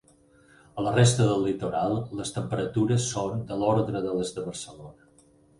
A la resta del litoral les temperatures són de l'ordre de les de Barcelona.